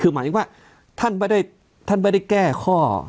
คือหมายถึงว่าท่านไม่ได้แก้ข้อ